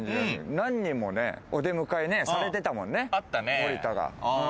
何人も、お出迎えされてたもんね森田が。